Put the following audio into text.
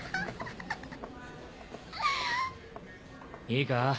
いいか？